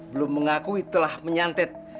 belum mengakui telah menyantet